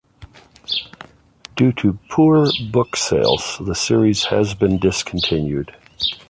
Due to poor book sales, the series has been discontinued.